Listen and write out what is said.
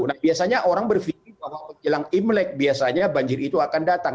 nah biasanya orang berpikir bahwa menjelang imlek biasanya banjir itu akan datang